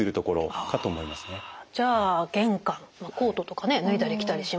じゃあ玄関コートとか脱いだり着たりしますよね。